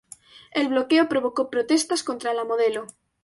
El bloqueo provocó protestas contra la modelo.